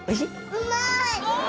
うまい！